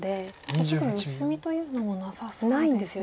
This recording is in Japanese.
特に薄みというのもなさそうですね。